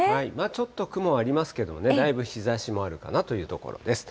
ちょっと雲ありますけれどもね、だいぶ日ざしもあるかなというところです。